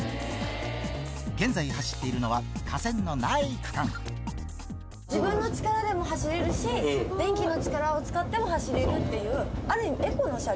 現在走っているのは、架線のない自分の力でも走れるし、電気の力を使っても走れるっていう、ある意味エコな車両。